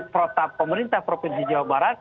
protap pemerintah provinsi jawa barat